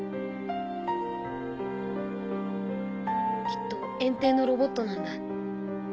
きっと園丁のロボットなんだ。